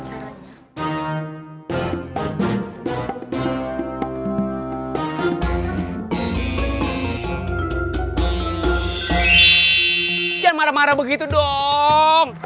jangan marah marah begitu dong